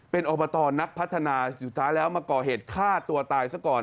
เป็นอบตนักพัฒนาสุดท้ายแล้วมาก่อเหตุฆ่าตัวตายซะก่อน